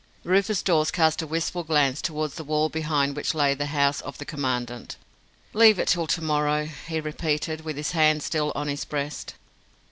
Rufus Dawes cast a wistful glance towards the wall behind which lay the house of the Commandant. "Leave it till to morrow," he repeated, with his hand still in his breast.